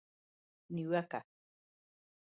نیوکه